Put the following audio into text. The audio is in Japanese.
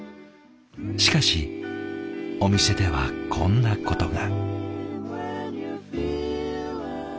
しかしお店ではこんなことが。